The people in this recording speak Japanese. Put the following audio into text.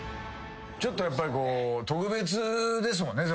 ちょっとやっぱり特別ですもんね